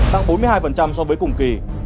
tặng bốn mươi hai so với cùng kỳ